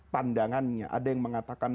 pandangannya ada yang mengatakan